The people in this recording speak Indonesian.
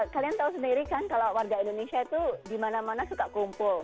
kalian tahu sendiri kan kalau warga indonesia itu dimana mana suka kumpul